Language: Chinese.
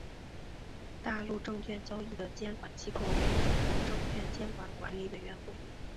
大陆证券交易的监管机构为中国证券监督管理委员会。